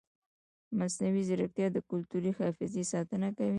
مصنوعي ځیرکتیا د کلتوري حافظې ساتنه کوي.